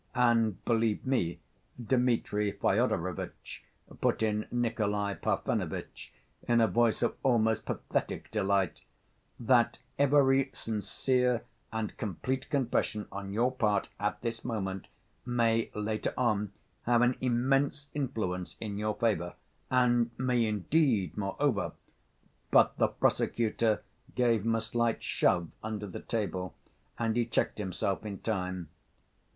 "And believe me, Dmitri Fyodorovitch," put in Nikolay Parfenovitch, in a voice of almost pathetic delight, "that every sincere and complete confession on your part at this moment may, later on, have an immense influence in your favor, and may, indeed, moreover—" But the prosecutor gave him a slight shove under the table, and he checked himself in time.